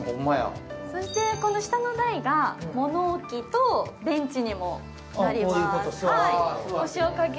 そして、この下の台が物置とベンチにもなります。